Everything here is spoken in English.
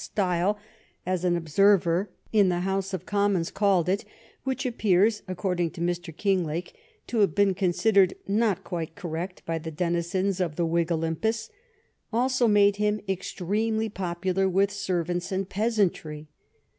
style," as an observer in the House of Commons called it, which appears, according to Mr. Kinglake, to have been considered not quite correct by the denizens of the Whig Olympus, also made him extremely popular with servants and peasantry.